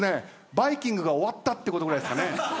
『バイキング』が終わったってことぐらいですかね。